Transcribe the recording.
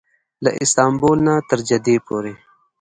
له استانبول نه تر جدې پورې.